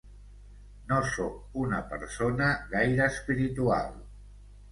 No soc una persona gaire espiritual